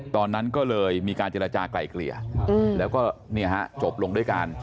ตอนนั้นก็เลยมีการแจรจากไกล่เกลี่ยแล้วก็นี่ฮะจบลงด้วยการ